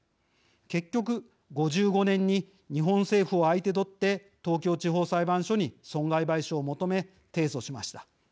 結局、５５年に日本政府を相手どって東京地方裁判所に損害賠償を求め、提訴しました。